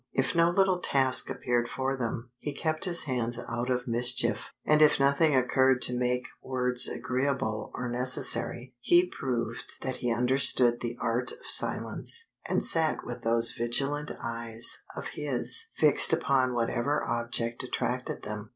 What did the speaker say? If no little task appeared for them, he kept his hands out of mischief, and if nothing occurred to make words agreeable or necessary, he proved that he understood the art of silence, and sat with those vigilant eyes of his fixed upon whatever object attracted them.